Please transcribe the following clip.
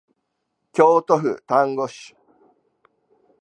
京都府京丹後市